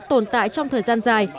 tồn tại trong thời gian dài